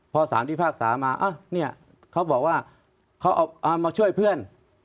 พอสามที่ภาคสามาเขาบอกว่าเขามาช่วยเพื่อน